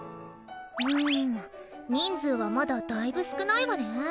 うん人数はまだだいぶ少ないわね。